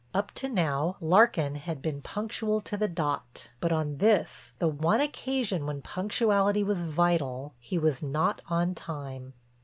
Up to now Larkin had been punctual to the dot, but on this, the one occasion when punctuality was vital, he was not on time.